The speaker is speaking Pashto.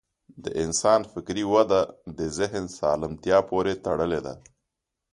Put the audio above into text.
د انسان فکري وده د ذهن سالمتیا پورې تړلې ده.